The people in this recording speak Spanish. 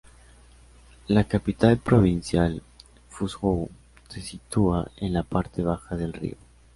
La capital provincial, Fuzhou, se sitúa en la parte baja del río.